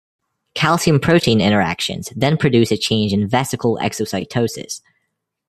Calcium-protein interactions then produce a change in vesicle exocytosis.